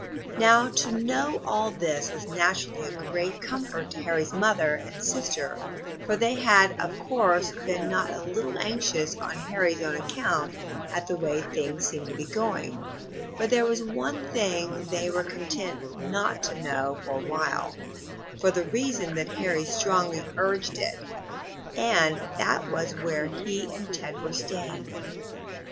Now, to know all this was naturally a great comfort to Harry's mother and sister, for they had of course been not a little anxious on Harry's own account at the way things seemed to be going, but there was one thing they were content not to know for a while for the reason that Harry strongly urged it and that was where he and Ted were staying.